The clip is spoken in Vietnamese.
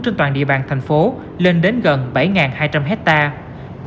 trên toàn địa bàn thành phố lên đến gần bảy hai trăm linh hectare